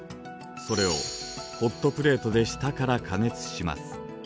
それをホットプレートで下から加熱します。